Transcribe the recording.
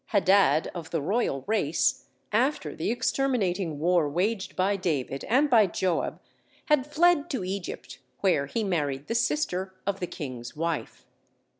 Hadad, of the royal race, after the exterminating war waged by David and by Joab, had fled to Egypt, where he married the sister of the king's wife.